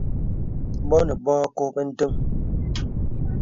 Bɔ̄ nə bɔ̄ à kɔ̄ɔ̄ bə̀ ndəŋ.